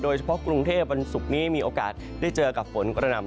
กรุงเทพวันศุกร์นี้มีโอกาสได้เจอกับฝนกระหน่ำ